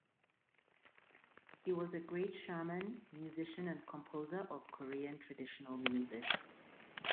He was the great shaman, musician and composer of Korean traditional music.